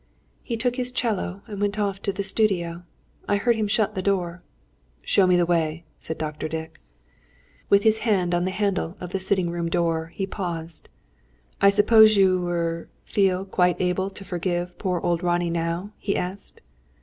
"He took his 'cello, and went off to the studio. I heard him shut the door." "Show me the way," said Dr. Dick. With his hand on the handle of the sitting room door, he paused. "I suppose you er feel quite able to forgive poor old Ronnie, now?" he asked.